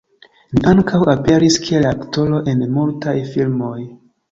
Li ankaŭ aperis kiel aktoro en multaj filmoj.